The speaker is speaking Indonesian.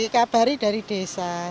kabari dari desa